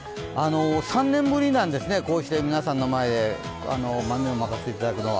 ３年ぶりなんですね、こうして皆さんの前で豆をまかせていただくのは。